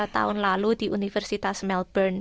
tahun lalu di universitas melbourne